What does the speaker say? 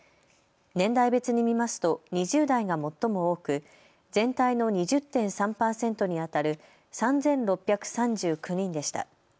年代別に見ますと２０代が最も多く全体の２０．３％にあたる３６３９人でした。